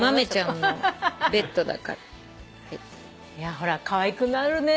ほらかわいくなるね。